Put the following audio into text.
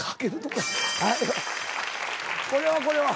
これはこれは。